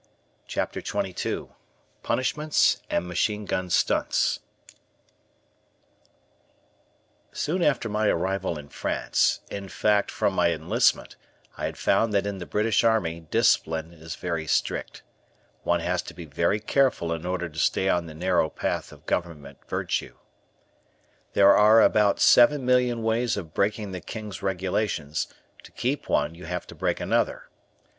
CHAPTER XXII PUNISHMENTS AND MACHINE GUN STUNTS Soon after my arrival in France, in fact from my enlistment, I had found that in the British Army discipline is very strict. One has to be very careful in order to stay on the narrow path of government virtue. There are about seven million ways of breaking the King's Regulations; to keep one you have to break another.